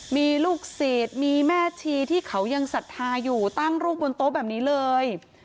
มีลูกเศษมีแม่ชีที่เขายังศรัทธาอยู่ตั้งรูปบนโต๊ะแบบนี้เลย